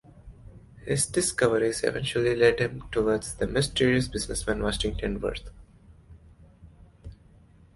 His discoveries eventually lead him towards the mysterious businessman Washington Wirth.